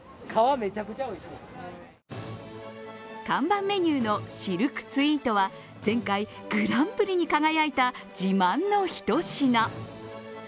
看板メニューのシルクスイートは前回、グランプリに輝いた自慢のひと品。